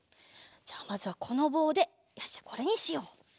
じゃまずはこのぼうでよしじゃこれにしよう。